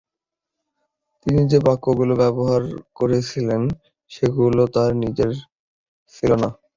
তিনি যে-বাক্যগুলো ব্যবহার করছিলেন, সেগুলো তার নিজের ছিল না।